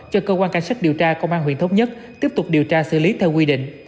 cho cơ quan cảnh sát điều tra công an huyện thống nhất tiếp tục điều tra xử lý theo quy định